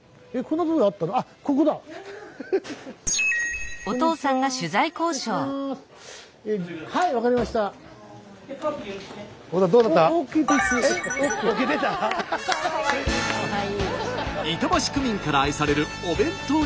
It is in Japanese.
板橋区民から愛されるお弁当屋さん。